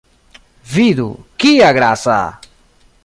Vidu, kia grasa!